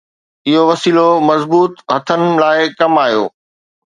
اهو وسيلو مضبوط هٿن لاءِ ڪم آيو.